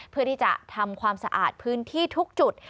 เพื่อที่จะทำความสะอาดพื้นที่ทุกจุด